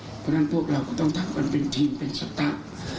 เพราะฉะนั้นพวกเราก็ต้องทักกันเป็นทีมเป็นสตาร์ท